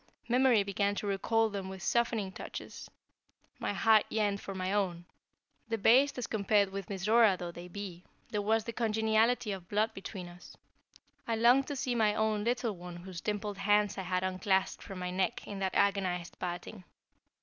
Memory began to recall them with softening touches. My heart yearned for my own; debased as compared with Mizora though they be, there was the congeniality of blood between us. I longed to see my own little one whose dimpled hands I had unclasped from my neck in that agonized parting.